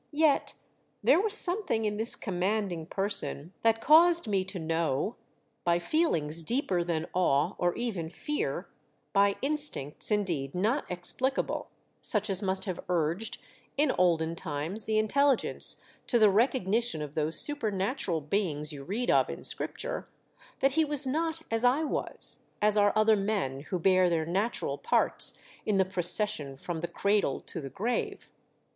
Yet there was something in this commanding person that caused me to know, by feelings deeper than awe or ev^en fear, by instincts indeed not explicable, such as must have urged in olden times the intelligence to the recognition of those supernatural beings you read of in Scripture, that he was not as I was, as are other men who bear their natural parts in the procession from the cradle to the grave.